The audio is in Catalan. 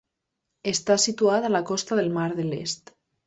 Està situat a la costa del mar de l'Est.